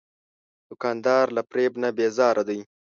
دوکاندار له فریب نه بیزاره دی.